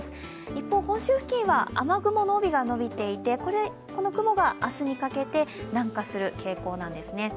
一方、本州付近は雨雲の帯が伸びていて、この雲があすにかけて、南下する傾向なんですね。